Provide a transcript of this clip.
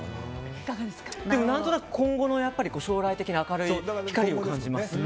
でもなんとなく今後の将来的な明るい光を感じます。